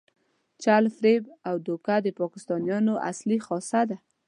چل، فریب او دوکه د پاکستانیانو اصلي خاصه ده.